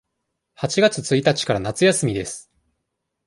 八月一日から夏休みです。